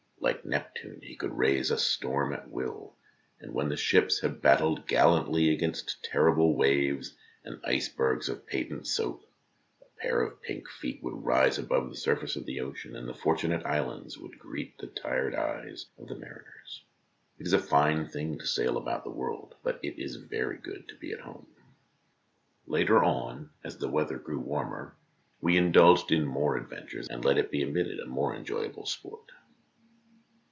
Like Neptune, he could raise a storm at will, and when the ships had battled gallantly against terrible waves and icebergs of patent soap, a pair of pink feet would rise above the surface of the ocean, and the Fortunate Islands would greet the tired eyes of the mariners. It is a fine thing to sail about the world 1 , but it is very good to be at home. Later on, as the weather grew warmer, we 36 THE DAY BEFORE YESTERDAY indulged in more adventurous, and let it be admitted, more enjoyable, sport.